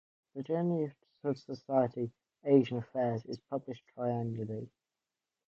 The journal of the society, "Asian Affairs", is published triannually.